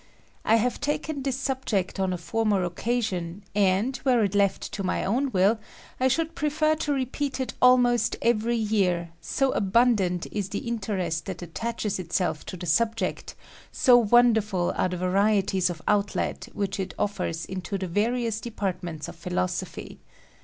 I have taken this subject on a former oe caaion, and, were it lefl to my own will, I should prefer to repeat it almost every year, so abundant is the interest that attaches itself to the subject, so wonderful are the varieties of outlet which it offers into the various de partments of philosophy.